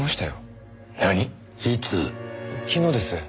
昨日です。